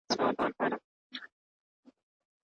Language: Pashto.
درمل په اسانۍ ترلاسه کېږي.